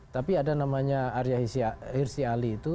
tapi ada namanya arya hirsi ali itu